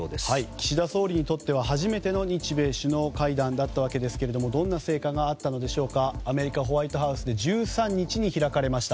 岸田総理にとっては初めての日米首脳会談だったわけですがどんな成果があったのでしょうかアメリカ、ホワイトハウスで１３日に開かれました。